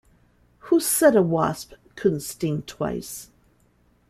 Who said a wasp couldn't sting twice?